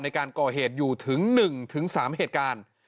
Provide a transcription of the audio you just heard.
ในการก่อเหตุอยู่ถึง๑๓เหตุการณ์